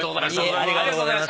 ありがとうございます。